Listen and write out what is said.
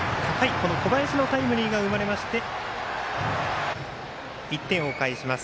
この小林のタイムリーが生まれて１点を返します。